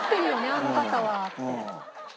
あの方はって。